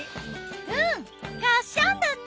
うんがっしゃんだね！